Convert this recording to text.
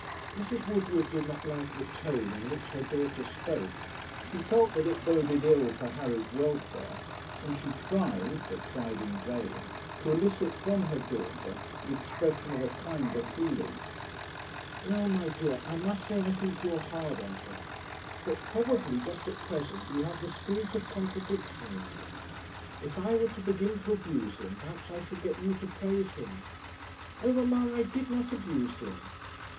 Mrs. Woodward did not like the tone in which her daughter spoke. She felt that it boded ill for Harry's welfare; and she tried, but tried in vain, to elicit from her daughter the expression of a kinder feeling. 'Well, my dear, I must say I think you are hard on him. But, probably, just at present you have the spirit of contradiction in you. If I were to begin to abuse him, perhaps I should get you to praise him.' 'Oh, mamma, I did not abuse him.'